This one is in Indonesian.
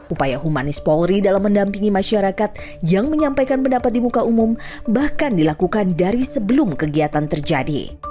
upaya humanis polri dalam mendampingi masyarakat yang menyampaikan pendapat di muka umum bahkan dilakukan dari sebelum kegiatan terjadi